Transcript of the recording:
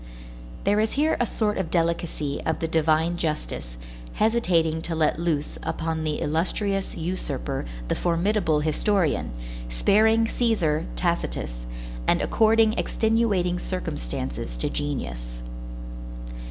There is here a sort of delicacy of the divine justice, hesitating to let loose upon the illustrious usurper the formidable historian, sparing Cæsar Tacitus, and according extenuating circumstances to genius.